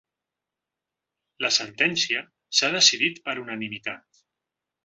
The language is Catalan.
La sentència s’ha decidit per unanimitat.